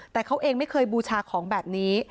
แต่เขาเองไม่เคยบูชาของแบบนี้